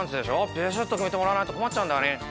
ビシッと決めてもらわないと困っちゃうんだよね